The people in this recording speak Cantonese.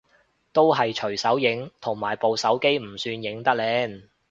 都係隨手影，同埋部手機唔算影得靚